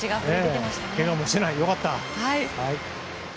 けがもしていない、良かった！